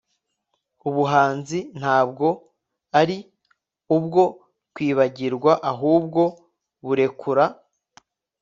ubuhanzi ntabwo ari ubwo kwibagirwa ahubwo burekura